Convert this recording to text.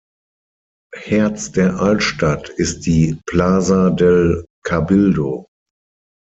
Herz der Altstadt ist die "Plaza del Cabildo".